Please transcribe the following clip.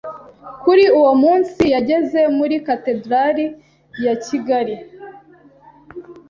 Kuri uwo munsi yageze muri Katederali ya Kigali,